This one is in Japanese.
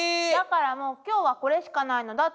だからもう今日はこれしかないの。